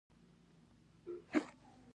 د دې مرکب مصرف میلیون ټنو ته رسیږي.